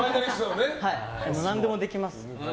何でもできます。